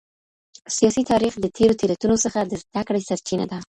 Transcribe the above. سياسي تاريخ د تېرو تېروتنو څخه د زده کړي سرچينه ده.